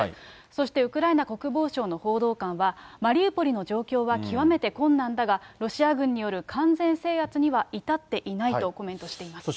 そしてウクライナ国防省の報道官は、マリウポリの状況は極めて困難だが、ロシア軍による完全制圧には至っていないとコメントしています。